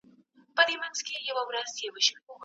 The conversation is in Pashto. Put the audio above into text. خوب ته راتللې او پر زړه مي اورېدلې اشنا